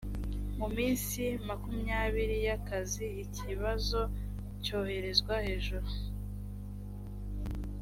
mu minsi makumyabiri y’akazi ikibazo cyoherezwa hejuru